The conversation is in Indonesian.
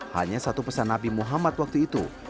hanya satu pesan nabi muhammad waktu itu